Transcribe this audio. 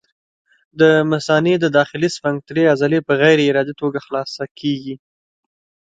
د مثانې د داخلي سفنکترې عضلې په غیر ارادي توګه خلاصه کېږي.